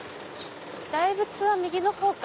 大仏は右の方か。